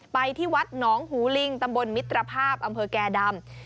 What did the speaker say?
ไปที่วัดหนองหูลิงตำบลมิตรภาพอำเภอแก่ดำ